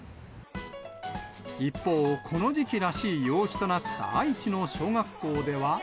一方、この時期らしい陽気となった愛知の小学校では。